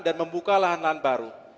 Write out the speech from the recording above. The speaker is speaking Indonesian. dan membuka lahan lahan baru